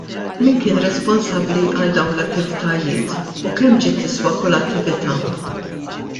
Min kien responsabbli għal dawn l-attivitajiet u kemm ġiet tiswa kull attività?